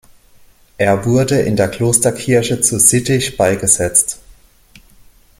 Er wurde in der Klosterkirche zu Sittich beigesetzt.